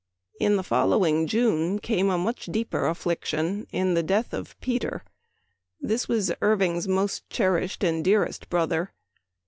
In the following June came a much deeper affliction in the death of Peter. This was Irving's most cherished and dearest brother.